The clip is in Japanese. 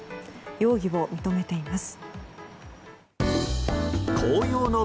容疑を認めています。